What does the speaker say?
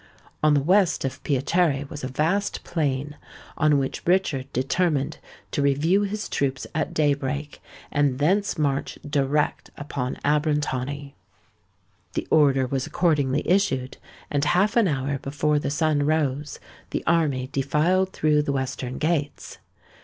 On the west of Piacere was a vast plain, on which Richard determined to review his troops at day break, and thence march direct upon Abrantani. The order was accordingly issued; and half an hour before the sun rose, the army defiled through the western gates.